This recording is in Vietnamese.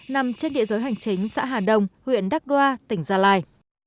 nằm trên địa giới hành chính xã hà đông huyện đắc đoa tỉnh gia lai